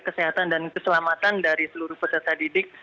kesehatan dan keselamatan dari seluruh peserta didik